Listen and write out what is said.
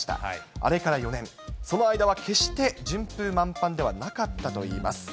あれから４年、その間は決して順風満帆ではなかったといいます。